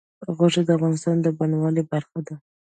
غوښې د افغانستان د بڼوالۍ برخه ده.